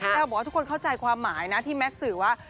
แล้วบอกว่าทุกคนเข้าใจความหมายนะที่แมทสื่อว่า